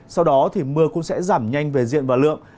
sau đó thì mưa cũng sẽ giảm nhanh về diện và lượng